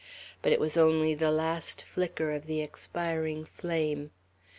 But it was only the last flicker of the expiring flame.